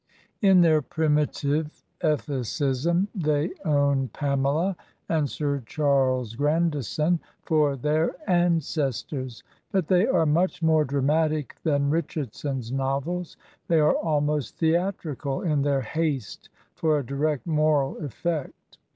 In their primitive ethicism they own " Pamela," and " Sir Charles Grandison" for their ancestors; but they are much more dramatic than Richardson's novels; they are almost theatrical in their haste for a direct moral effect.